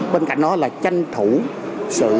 bên cạnh đó là tranh thủ sự